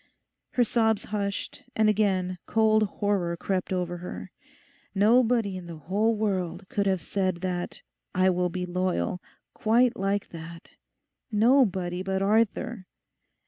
Her sobs hushed, and again cold horror crept over her. Nobody in the whole world could have said that 'I will be loyal' quite like that—nobody but Arthur.